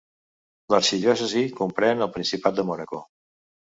L'arxidiòcesi comprèn el principat de Mònaco.